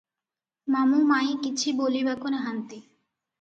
ମାମୁ ମାଇଁ କିଛି ବୋଲିବାକୁ ନାହାନ୍ତି ।